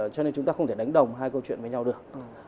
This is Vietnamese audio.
cho nên chúng ta không thể đánh đồng hai câu chuyện với nhau được